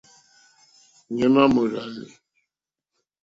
Ŋměmà mòrzàlì.